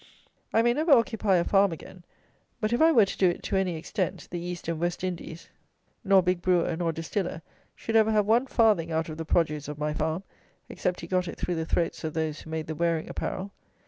I may never occupy a farm again; but if I were to do it, to any extent, the East and West Indies, nor big brewer, nor distiller, should ever have one farthing out of the produce of my farm, except he got it through the throats of those who made the wearing apparel.